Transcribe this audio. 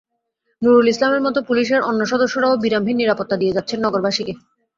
নূরুল ইসলামের মতো পুলিশের অন্য সদস্যরাও বিরামহীন নিরাপত্তা দিয়ে যাচ্ছেন নগরবাসীকে।